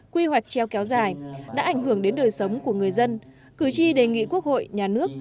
quy hoạch treo kéo dài đã ảnh hưởng đến đời sống của người dân cử tri đề nghị quốc hội nhà nước